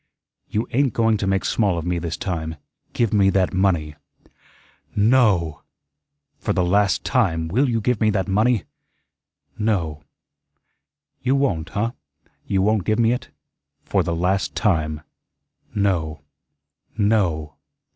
"You ain't going to make small of me this time. Give me that money." "NO." "For the last time, will you give me that money?" "No." "You won't, huh? You won't give me it? For the last time." "No, NO."